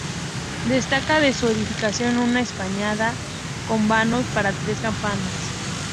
Destaca de su edificación una espadaña con vanos para tres campanas.